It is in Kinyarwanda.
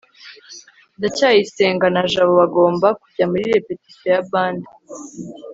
ndacyayisenga na jabo bagombaga kujya muri repetition ya band